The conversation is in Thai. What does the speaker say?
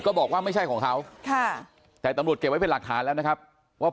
บอกว่าไม่ใช่ของเขาค่ะแต่ตำรวจเก็บไว้เป็นหลักฐานแล้วนะครับว่า